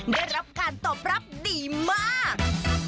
ได้รับการตอบรับดีมาก